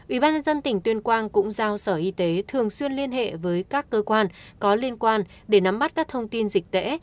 ủy ban nhân dân tỉnh tuyên quang cũng giao sở y tế thường xuyên liên hệ với các cơ quan có liên quan để nắm bắt các thông tin dịch tễ